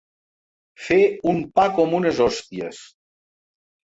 Fer un pa com unes hòsties.